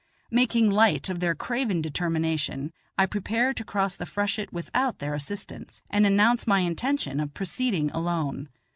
Making light of their craven determination, I prepare to cross the freshet without their assistance, and announce my intention of proceeding alone.